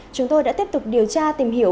chúng tôi đã tiếp tục điều tra tìm hiểu